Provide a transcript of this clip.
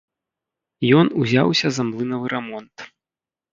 Ён узяўся за млынавы рамонт.